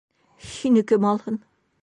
Һине кем алһын?!